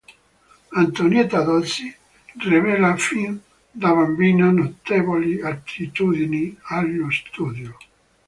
Antonietta Dosi rivela fin da bambina notevoli attitudini allo studio.